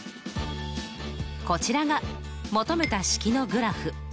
こちらが求めた式のグラフ。